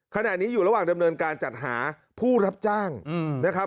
ขณะนี้อยู่ระหว่างดำเนินการจัดหาผู้รับจ้างนะครับ